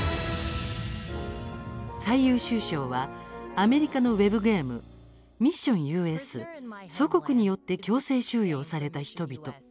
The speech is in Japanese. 最優秀賞はアメリカのウェブゲーム「ミッションＵＳ：祖国によって強制収容された人々」。